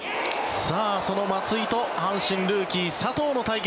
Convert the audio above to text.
その松井と阪神ルーキー、佐藤の対決。